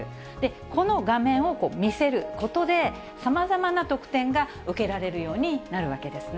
この画面を見せることで、さまざまな特典が受けられるようになるわけですね。